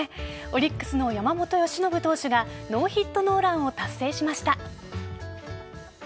オリックスの山本由伸投手がノーヒットノーランを達成しました。